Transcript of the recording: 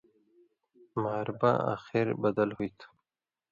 معرباں آخر بدل ہُوئ تھو